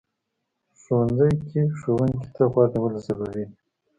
ښوونځی کې ښوونکي ته غوږ نیول ضروري دي